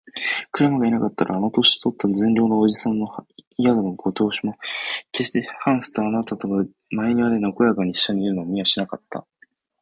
クラムがいなかったら、あの年とった善良な伯父さんの宿のご亭主も、けっしてハンスとあなたとが前庭でなごやかにいっしょにいるのを見はしなかった